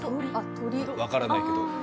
分からないけど。